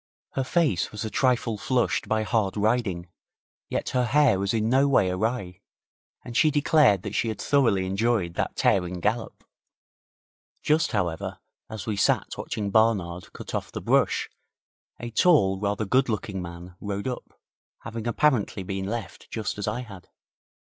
Her face was a trifle flushed by hard riding, yet her hair was in no way awry, and she declared that she had thoroughly enjoyed that tearing gallop. Just, however, as we sat watching Barnard cut off the brush, a tall, rather good looking man rode up, having apparently been left just as I had.